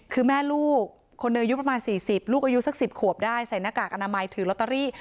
คือแม่ลูกคนหนึ่งอายุประมาณ๔๐ลูกอายุสัก๑๐ขวบได้ใส่หน้ากากอนามัยถือลอตเตอรี่